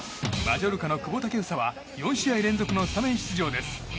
マジョルカの久保建英は４試合連続のスタメン出場です。